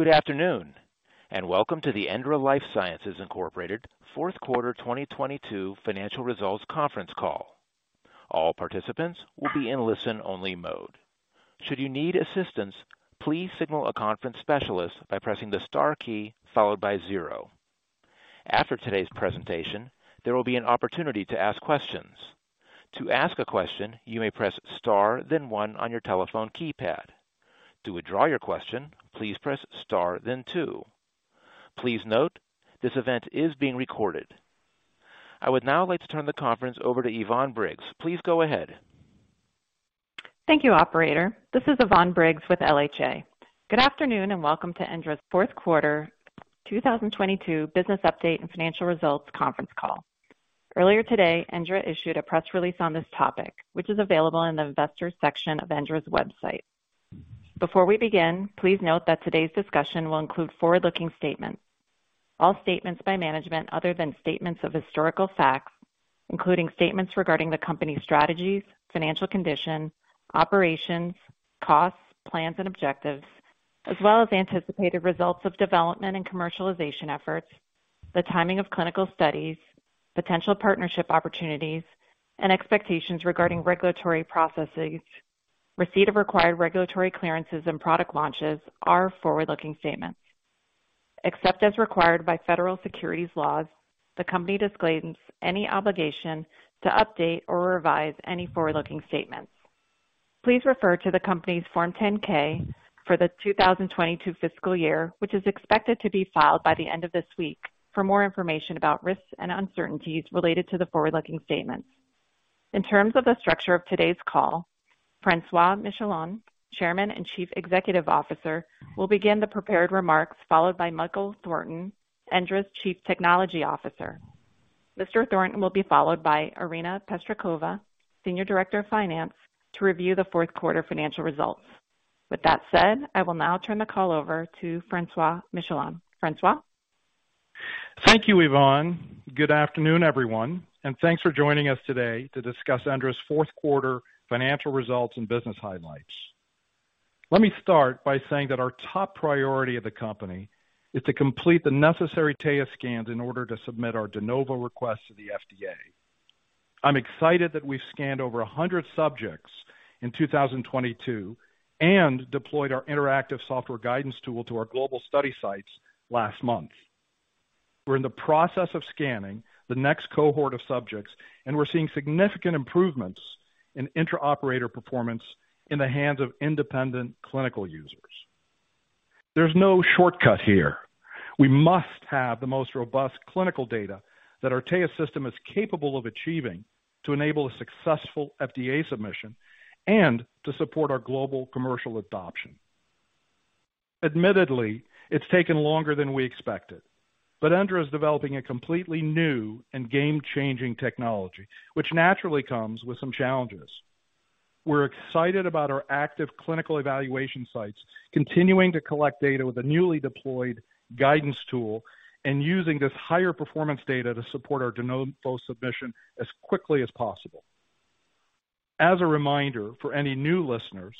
Good afternoon, and welcome to the ENDRA Life Sciences Inc. Fourth Quarter 2022 financial results conference call. All participants will be in listen-only mode. Should you need assistance, please signal a conference specialist by pressing the star key followed by zero. After today's presentation, there will be an opportunity to ask questions. To ask a question, you may press star then one on your telephone keypad. To withdraw your question, please press star then two. Please note, this event is being recorded. I would now like to turn the conference over to Yvonne Briggs. Please go ahead. Thank you, operator. This is Yvonne Briggs with LHA. Good afternoon, welcome to ENDRA's fourth quarter 2022 business update and financial results conference call. Earlier today, ENDRA issued a press release on this topic, which is available in the investors section of ENDRA's website. Before we begin, please note that today's discussion will include forward-looking statements. All statements by management other than statements of historical facts, including statements regarding the company's strategies, financial condition, operations, costs, plans and objectives, as well as anticipated results of development and commercialization efforts, the timing of clinical studies, potential partnership opportunities and expectations regarding regulatory processes, receipt of required regulatory clearances and product launches are forward-looking statements. Except as required by federal securities laws, the company disclaims any obligation to update or revise any forward-looking statements. Please refer to the company's Form 10-K for the 2022 fiscal year, which is expected to be filed by the end of this week, for more information about risks and uncertainties related to the forward-looking statements. In terms of the structure of today's call, Francois Michelon, Chairman and Chief Executive Officer, will begin the prepared remarks, followed by Michael Thornton, ENDRA's Chief Technology Officer. Mr. Thornton will be followed by Irina Pestrikova, Senior Director of Finance, to review the fourth quarter financial results. With that said, I will now turn the call over to Francois Michelon. Francois. Thank you, Yvonne. Good afternoon, everyone, and thanks for joining us today to discuss ENDRA's fourth quarter financial results and business highlights. Let me start by saying that our top priority of the company is to complete the necessary TAEUS scans in order to submit our de novo request to the FDA. I'm excited that we've scanned over 100 subjects in 2022 and deployed our interactive software guidance tool to our global study sites last month. We're in the process of scanning the next cohort of subjects, and we're seeing significant improvements in intraoperator performance in the hands of independent clinical users. There's no shortcut here. We must have the most robust clinical data that our TAEUS system is capable of achieving to enable a successful FDA submission and to support our global commercial adoption. Admittedly, it's taken longer than we expected, but ENDRA is developing a completely new and game-changing technology, which naturally comes with some challenges. We're excited about our active clinical evaluation sites continuing to collect data with a newly deployed guidance tool and using this higher performance data to support our de novo submission as quickly as possible. As a reminder for any new listeners,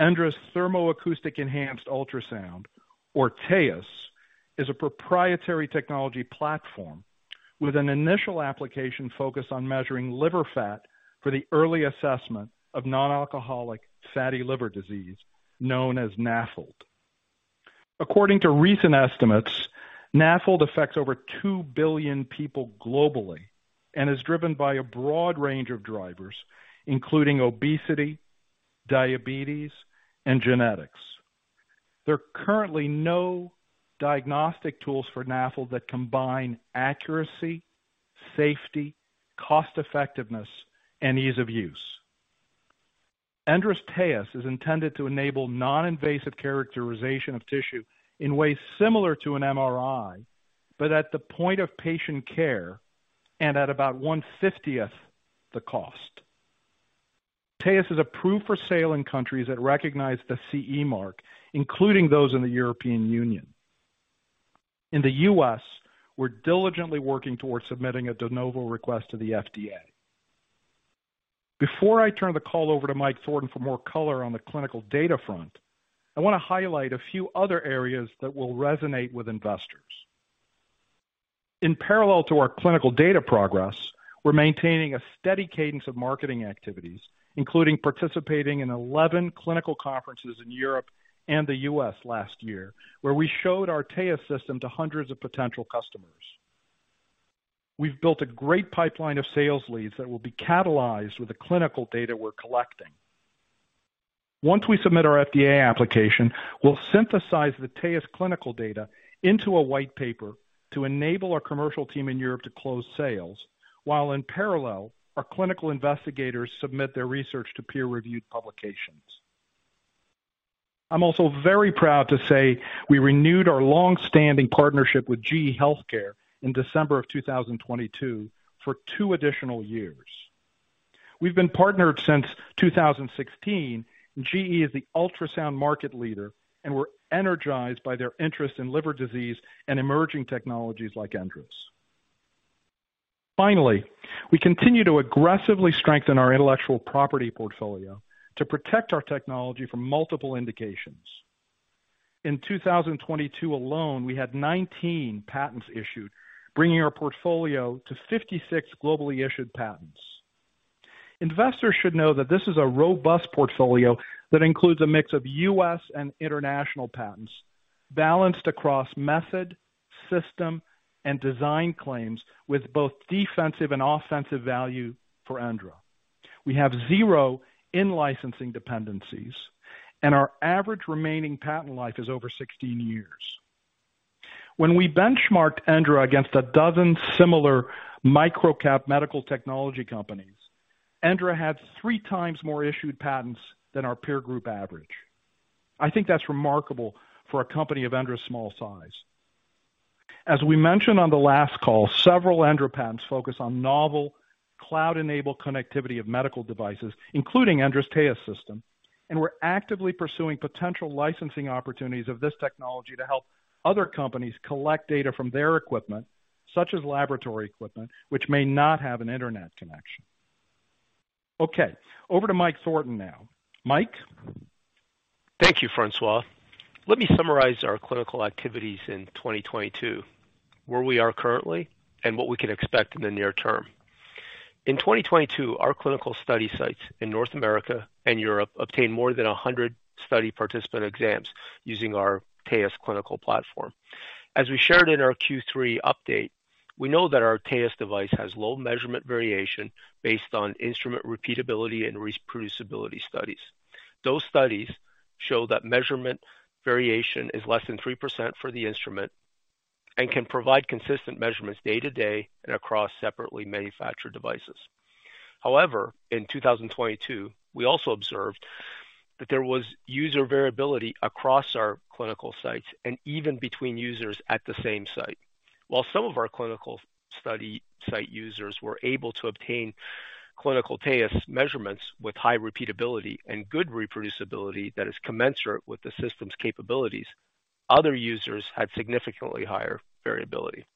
ENDRA's Thermo Acoustic Enhanced UltraSound, or TAEUS, is a proprietary technology platform with an initial application focus on measuring liver fat for the early assessment of non-alcoholic fatty liver disease, known as NAFLD. According to recent estimates, NAFLD affects over 2 billion people globally and is driven by a broad range of drivers, including obesity, diabetes, and genetics. There are currently no diagnostic tools for NAFLD that combine accuracy, safety, cost effectiveness, and ease of use. ENDRA's TAEUS is intended to enable non-invasive characterization of tissue in ways similar to an MRI, but at the point of patient care and at about one-fiftieth the cost. TAEUS is approved for sale in countries that recognize the CE mark, including those in the European Union. In the U.S., we're diligently working towards submitting a de novo request to the FDA. Before I turn the call over to Mike Thornton for more color on the clinical data front, I want to highlight a few other areas that will resonate with investors. In parallel to our clinical data progress, we're maintaining a steady cadence of marketing activities, including participating in 11 clinical conferences in Europe and the U.S. last year, where we showed our TAEUS system to hundreds of potential customers. We've built a great pipeline of sales leads that will be catalyzed with the clinical data we're collecting. Once we submit our FDA application, we'll synthesize the TAEUS clinical data into a white paper to enable our commercial team in Europe to close sales, while in parallel, our clinical investigators submit their research to peer-reviewed publications. I'm also very proud to say we renewed our long-standing partnership with GE HealthCare in December of 2022 for two additional years. We've been partnered since 2016, and GE is the ultrasound market leader, and we're energized by their interest in liver disease and emerging technologies like ENDRA's. Finally, we continue to aggressively strengthen our intellectual property portfolio to protect our technology from multiple indications. In 2022 alone, we had 19 patents issued, bringing our portfolio to 56 globally issued patents. Investors should know that this is a robust portfolio that includes a mix of U.S. and international patents balanced across method, system, and design claims with both defensive and offensive value for ENDRA. We have zero in-licensing dependencies, and our average remaining patent life is over 16 years. When we benchmarked ENDRA against a dozen similar microcap medical technology companies, ENDRA had three times more issued patents than our peer group average. I think that's remarkable for a company of ENDRA's small size. As we mentioned on the last call, several ENDRA patents focus on novel cloud-enabled connectivity of medical devices, including ENDRA's TAEUS system, and we're actively pursuing potential licensing opportunities of this technology to help other companies collect data from their equipment, such as laboratory equipment, which may not have an Internet connection. Okay, over to Mike Thornton now. Mike. Thank you, Francois. Let me summarize our clinical activities in 2022, where we are currently, and what we can expect in the near term. In 2022, our clinical study sites in North America and Europe obtained more than 100 study participant exams using our TAEUS clinical platform. As we shared in our Q3 update, we know that our TAEUS device has low measurement variation based on instrument repeatability and reproducibility studies. Those studies show that measurement variation is less than 3% for the instrument and can provide consistent measurements day to day and across separately manufactured devices. However, in 2022, we also observed that there was user variability across our clinical sites and even between users at the same site. While some of our clinical study site users were able to obtain clinical TAEUS measurements with high repeatability and good reproducibility that is commensurate with the system's capabilities, other users had significantly higher variability.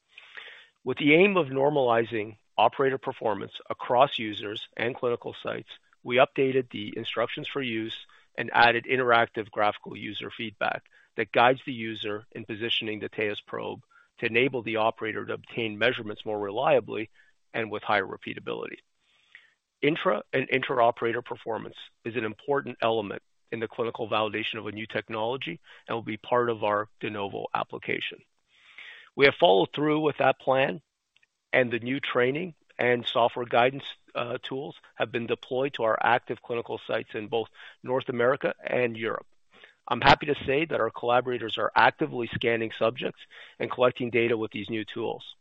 With the aim of normalizing operator performance across users and clinical sites, we updated the instructions for use and added interactive graphical user feedback that guides the user in positioning the TAEUS probe to enable the operator to obtain measurements more reliably and with higher repeatability. Intra and inter operator performance is an important element in the clinical validation of a new technology and will be part of our de novo application. We have followed through with that plan, and the new training and software guidance tools have been deployed to our active clinical sites in both North America and Europe. I'm happy to say that our collaborators are actively scanning subjects and collecting data with these new tools.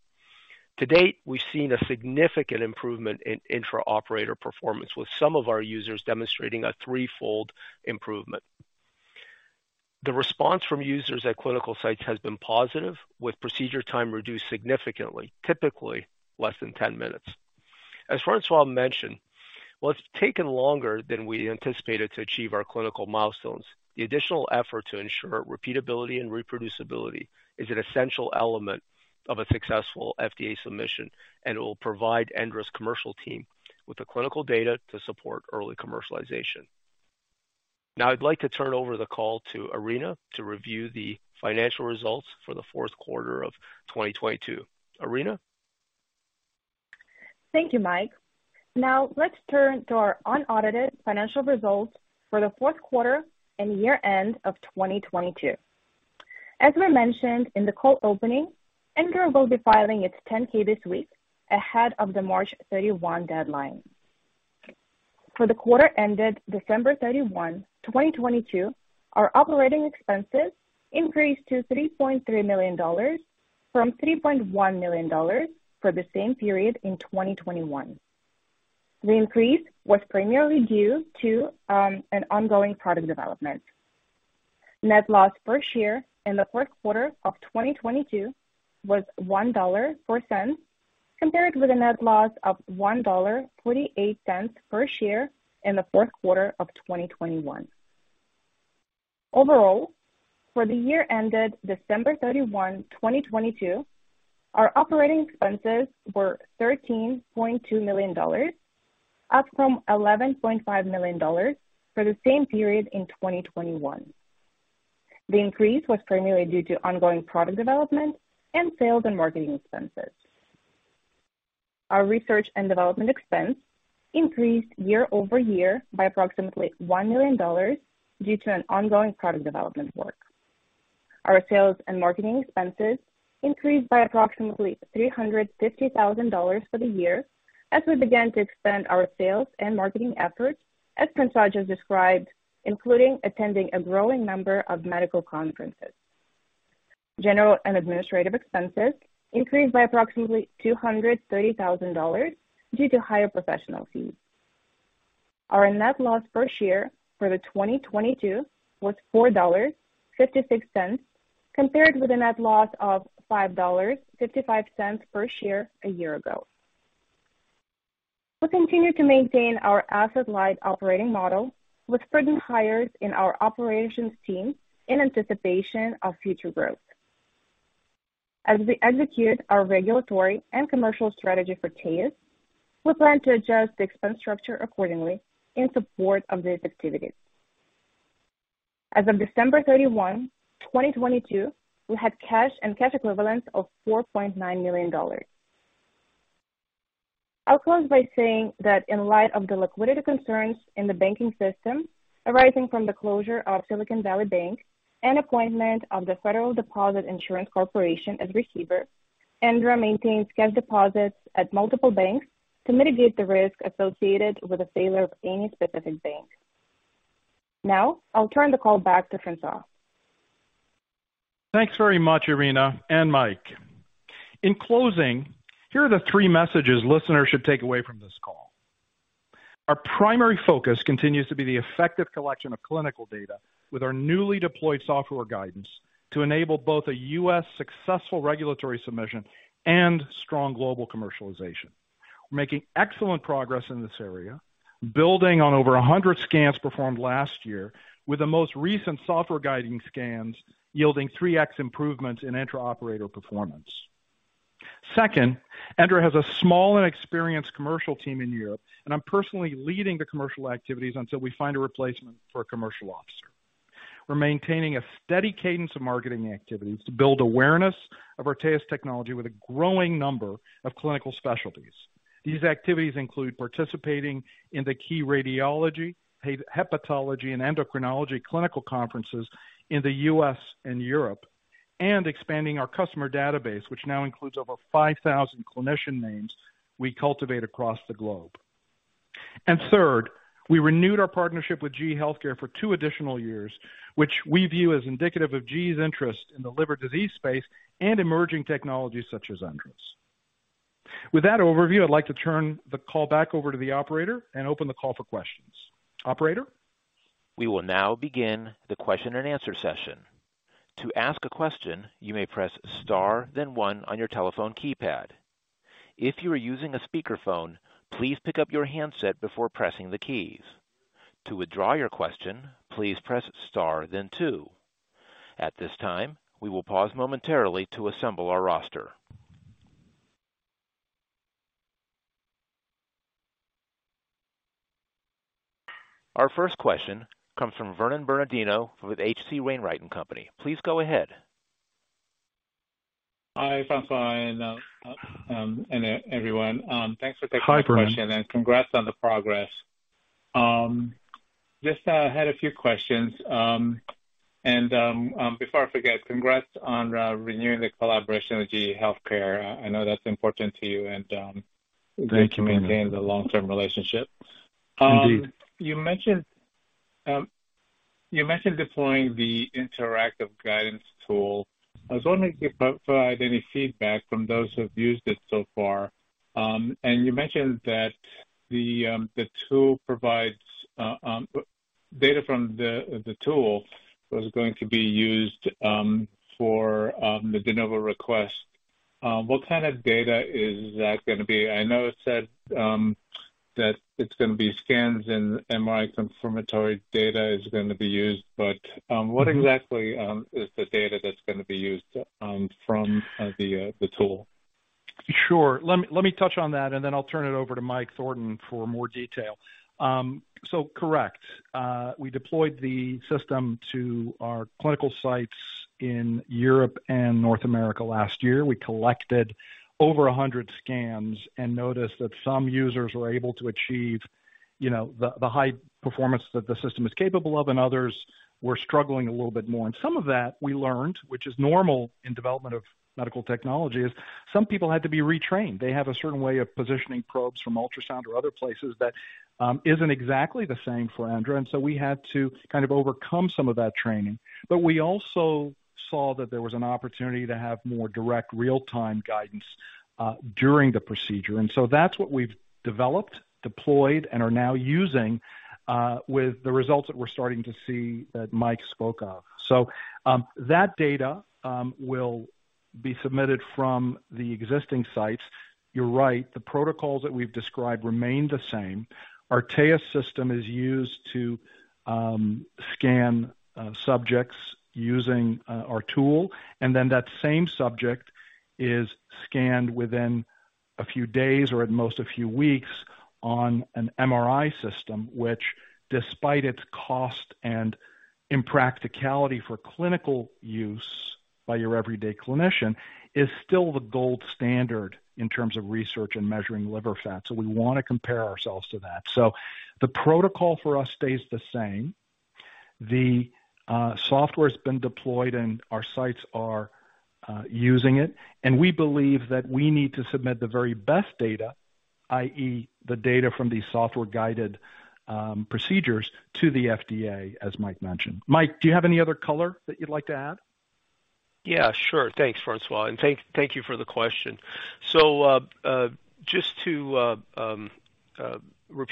To date, we've seen a significant improvement in intraoperator performance, with some of our users demonstrating a threefold improvement. The response from users at clinical sites has been positive, with procedure time reduced significantly, typically less than 10 minutes. As Francois mentioned, while it's taken longer than we anticipated to achieve our clinical milestones, the additional effort to ensure repeatability and reproducibility is an essential element of a successful FDA submission and will provide ENDRA's commercial team with the clinical data to support early commercialization. Now, I'd like to turn over the call to Irina to review the financial results for the fourth quarter of 2022. Irina. Thank you, Mike. Now, let's turn to our unaudited financial results for the fourth quarter and year-end of 2022. As we mentioned in the call opening, ENDRA will be filing its Form 10-K this week ahead of the March 31 deadline. For the quarter ended December 31, 2022, our operating expenses increased to $3.3 million from $3.1 million for the same period in 2021. The increase was primarily due to an ongoing product development. Net loss per share in the fourth quarter of 2022 was $1.04, compared with a net loss of $1.48 per share in the fourth quarter of 2021. Overall, for the year ended December 31, 2022, our operating expenses were $13.2 million, up from $11.5 million for the same period in 2021. The increase was primarily due to ongoing product development and sales and marketing expenses. Our research and development expense increased year-over-year by approximately $1 million due to an ongoing product development work. Our sales and marketing expenses increased by approximately $350,000 for the year as we began to expand our sales and marketing efforts, as Francois just described, including attending a growing number of medical conferences. General and administrative expenses increased by approximately $230,000 due to higher professional fees. Our net loss per share for 2022 was $4.56, compared with a net loss of $5.55 per share a year ago. We'll continue to maintain our asset-light operating model with prudent hires in our operations team in anticipation of future growth. As we execute our regulatory and commercial strategy for TAEUS, we plan to adjust the expense structure accordingly in support of these activities. As of December 31, 2022, we had cash and cash equivalents of $4.9 million. I'll close by saying that in light of the liquidity concerns in the banking system arising from the closure of Silicon Valley Bank and appointment of the Federal Deposit Insurance Corporation as receiver, ENDRA maintains cash deposits at multiple banks to mitigate the risk associated with the failure of any specific bank. Now, I'll turn the call back to Francois. Thanks very much, Irina and Mike. In closing, here are the three messages listeners should take away from this call. Our primary focus continues to be the effective collection of clinical data with our newly deployed software guidance to enable both a U.S. successful regulatory submission and strong global commercialization. We're making excellent progress in this area, building on over a 100 scans performed last year, with the most recent software guiding scans yielding 3x improvements in intraoperator performance. Second, ENDRA has a small and experienced commercial team in Europe and I'm personally leading the commercial activities until we find a replacement for a commercial officer. We're maintaining a steady cadence of marketing activities to build awareness of our TAEUS technology with a growing number of clinical specialties. These activities include participating in the key radiology, hepatology, and endocrinology clinical conferences in the U.S. and Europe, and expanding our customer database, which now includes over 5,000 clinician names we cultivate across the globe. Third, we renewed our partnership with GE HealthCare for two additional years, which we view as indicative of GE's interest in the liver disease space and emerging technologies such as ENDRA's. With that overview, I'd like to turn the call back over to the operator and open the call for questions. Operator? We will now begin the question and answer session. To ask a question, you may press star, then one on your telephone keypad. If you are using a speakerphone, please pick up your handset before pressing the keys. To withdraw your question, please press star then two. At this time, we will pause momentarily to assemble our roster. Our first question comes from Vernon Bernardino with H.C. Wainwright & Company. Please go ahead. Hi, Francois and everyone. Thanks for taking my question. Hi, Vernon. Congrats on the progress. Just had a few questions. Before I forget, congrats on renewing the collaboration with GE HealthCare. I know that's important to you. Thank you, Vernon Great to maintain the long-term relationship. Indeed. You mentioned deploying the interactive guidance tool. I was wondering if you provide any feedback from those who've used it so far. You mentioned that the tool provides data from the tool was going to be used for the de novo request. What kind of data is that gonna be? I know it said that it's gonna be scans and MRI confirmatory data is gonna be used, but what exactly is the data that's gonna be used from the tool? Sure. Let me touch on that, and then I'll turn it over to Mike Thornton for more detail. So correct. We deployed the system to our clinical sites in Europe and North America last year. We collected over 100 scans and noticed that some users were able to achieve, you know, the high performance that the system is capable of, and others were struggling a little bit more and some of that we learned, which is normal in development of medical technology, is some people had to be retrained. They have a certain way of positioning probes from ultrasound or other places that isn't exactly the same for ENDRA, and so we had to kind of overcome some of that training, but we also saw that there was an opportunity to have more direct real-time guidance during the procedure. And so that's what we've developed, deployed, and are now using, with the results that we're starting to see that Mike spoke of. So that data will be submitted from the existing sites. You're right. The protocols that we've described remain the same. Our TAEUS system is used to scan subjects using our tool, and then that same subject is scanned within a few days or at most a few weeks on an MRI system, which despite its cost and impracticality for clinical use by your everyday clinician, is still the gold standard in terms of research and measuring liver fat. We wanna compare ourselves to that. The protocol for us stays the same. The software's been deployed and our sites are using it, and we believe that we need to submit the very best data, i.e. the data from these software-guided procedures to the FDA, as Mike mentioned. Mike, do you have any other color that you'd like to add? Yeah, sure. Thanks, Francois, and thank you for the question. Just to repeat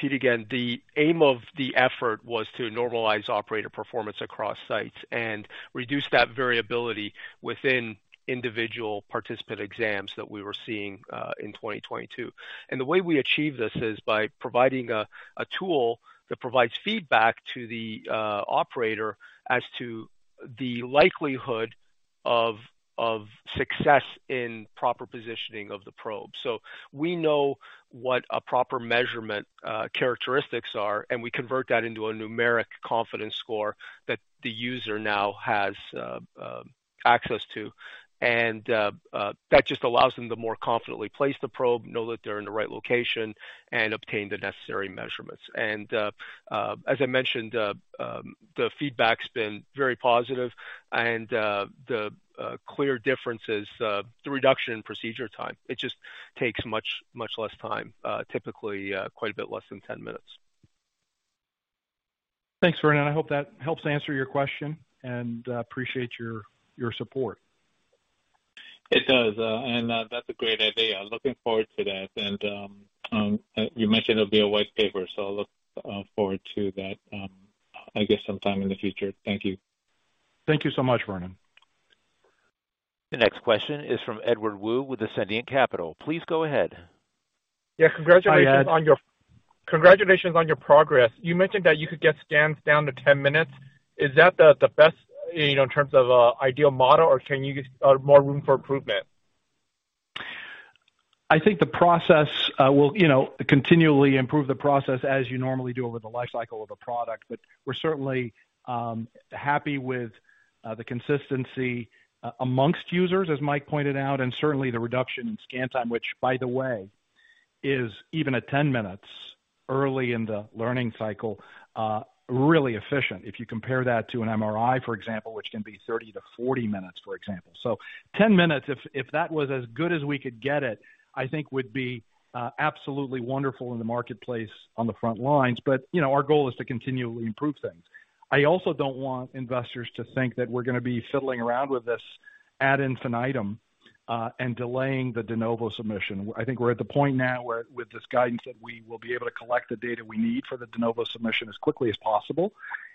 again, the aim of the effort was to normalize operator performance across sites and reduce that variability within individual participant exams that we were seeing in 2022 and the way we achieve this is by providing a tool that provides feedback to the operator as to the likelihood of success in proper positioning of the probe, so we know what a proper measurement characteristics are, and we convert that into a numeric confidence score that the user now has access to and that just allows them to more confidently place the probe, know that they're in the right location and obtain the necessary measurements. As I mentioned, the feedback's been very positive and, the clear differences, the reduction in procedure time. It just takes much less time, typically, quite a bit less than 10 minutes. Thanks, Vernon. I hope that helps answer your question, and appreciate your support. It does and that's a great idea. Looking forward to that. You mentioned there'll be a white paper, so I look forward to that, I guess sometime in the future. Thank you. Thank you so much, Vernon. The next question is from Edward Woo with Ascendiant Capital. Please go ahead. Yeah, congratulations on. Hi, Ed. Congratulations on your progress. You mentioned that you could get scans down to 10 minutes. Is that the best, you know, in terms of ideal model or can you get more room for improvement? I think the process will, you know, continually improve the process as you normally do over the life cycle of a product. We're certainly happy with the consistency amongst users, as Mike pointed out, and certainly the reduction in scan time, which, by the way, is even at 10 minutes early in the learning cycle, really efficient if you compare that to an MRI, for example, which can be 30-40 minutes, for example. So 10 minutes if that was as good as we could get it, I think would be absolutely wonderful in the marketplace on the front lines. You know, our goal is to continually improve things. I also don't want investors to think that we're gonna be fiddling around with this ad infinitum and delaying the de novo submission. I think we're at the point now where with this guidance that we will be able to collect the data we need for the de novo submission as quickly as possible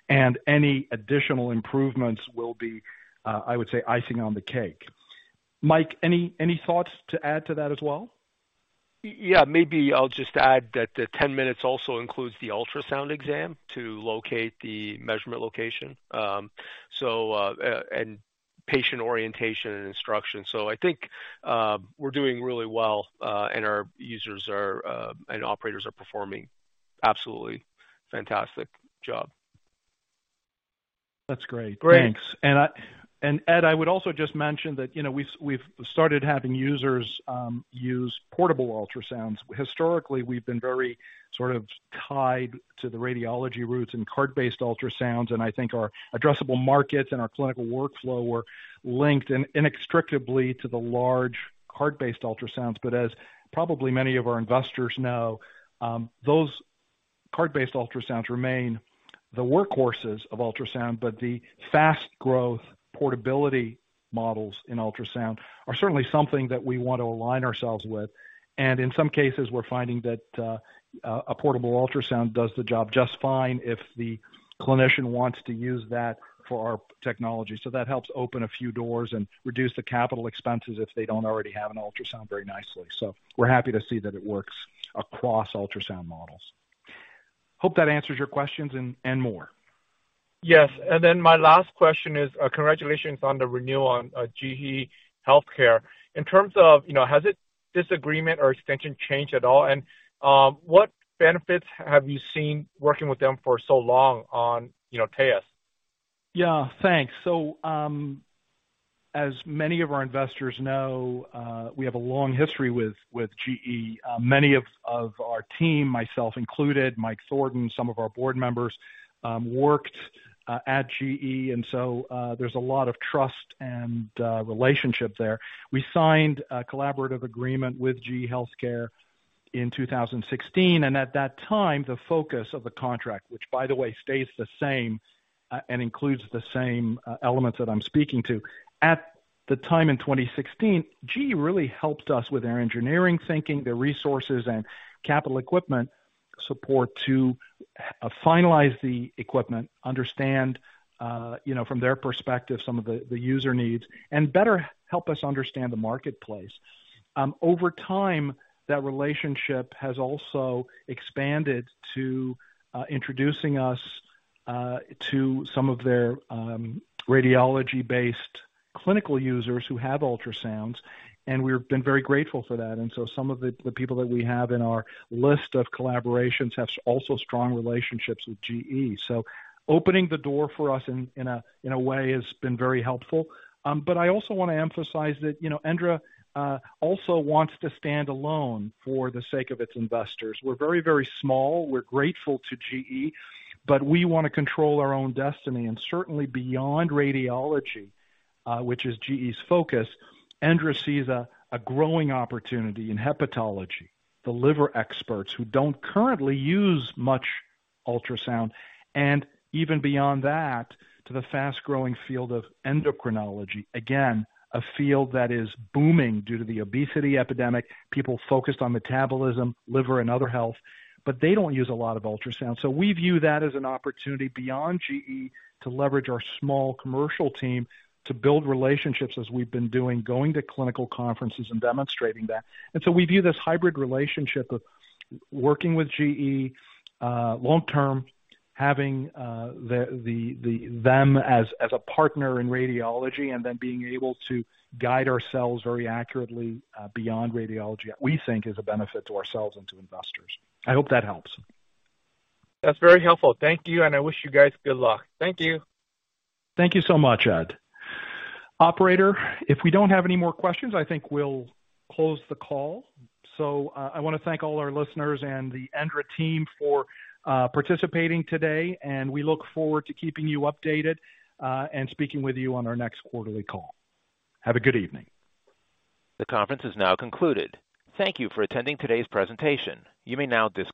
and any additional improvements will be, I would say, icing on the cake. Mike, any thoughts to add to that as well? Yeah, maybe I'll just add that the 10 minutes also includes the ultrasound exam to locate the measurement location. And patient orientation and instruction. I think we're doing really well, and our users and operators are performing absolutely fantastic job. That's great. Great. Thanks and Ed, I would also just mention that, you know, we've started having users use portable ultrasounds. Historically, we've been very sort of tied to the radiology roots and cart-based ultrasounds, and I think our addressable markets and our clinical workflow were linked inextricably to the large cart-based ultrasounds, but as probably many of our investors know, those cart-based ultrasounds remain the workhorses of ultrasound, but the fast growth portability models in ultrasound are certainly something that we want to align ourselves with. In some cases, we're finding that a portable ultrasound does the job just fine if the clinician wants to use that for our technology. So that helps open a few doors and reduce the capital expenses if they don't already have an ultrasound very nicely. We're happy to see that it works across ultrasound models. Hope that answers your questions and more. Yes. My last question is, congratulations on the renewal on GE HealthCare. In terms of, you know, has this agreement or extension changed at all? And what benefits have you seen working with them for so long on, you know, TAEUS? Yeah, thanks. As many of our investors know, we have a long history with GE. Many of our team, myself included, Mike Thornton, some of our board members, worked at GE, and so there's a lot of trust and relationship there. We signed a collaborative agreement with GE HealthCare in 2016. At that time, the focus of the contract, which by the way stays the same, and includes the same elements that I'm speaking to. At the time in 2016, GE really helped us with their engineering thinking, their resources and capital equipment support to finalize the equipment, understand, you know, from their perspective, some of the user needs, and better help us understand the marketplace. Over time, that relationship has also expanded to introducing us to some of their radiology-based clinical users who have ultrasounds and we've been very grateful for that. Some of the people that we have in our list of collaborations have also strong relationships with GE. Opening the door for us in a way has been very helpful, but I also wanna emphasize that, you know, ENDRA also wants to stand alone for the sake of its investors. We're very small. We're grateful to GE, but we wanna control our own destiny. Certainly beyond radiology, which is GE's focus, ENDRA sees a growing opportunity in hepatology. The liver experts who don't currently use much ultrasound and even beyond that, to the fast-growing field of endocrinology. Again, a field that is booming due to the obesity epidemic. People focused on metabolism, liver and other health, but they don't use a lot of ultrasound. We view that as an opportunity beyond GE to leverage our small commercial team to build relationships as we've been doing, going to clinical conferences and demonstrating that. We view this hybrid relationship of working with GE, long term, having them as a partner in radiology and then being able to guide ourselves very accurately, beyond radiology, we think is a benefit to ourselves and to investors. I hope that helps. That's very helpful. Thank you, and I wish you guys good luck. Thank you. Thank you so much, Ed. Operator, if we don't have any more questions, I think we'll close the call. So I wanna thank all our listeners and the ENDRA team for participating today, and we look forward to keeping you updated and speaking with you on our next quarterly call. Have a good evening. The conference is now concluded. Thank you for attending today's presentation. You may now disconnect.